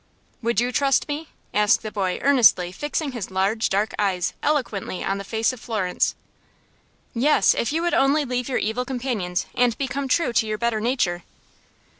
"Would you trust me?" asked the boy, earnestly, fixing his large, dark eyes eloquently on the face of Florence. "Yes, I would if you would only leave your evil companions, and become true to your better nature."